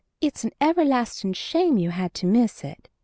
It's an everlastin' shame you had to miss it!